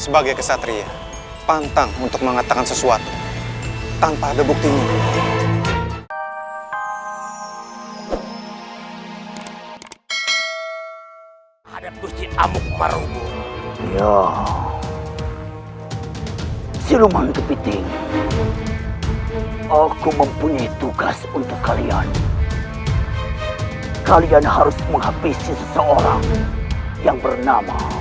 bagi kesatria pantang untuk mengatakan sesuatu tanpa ada buktinya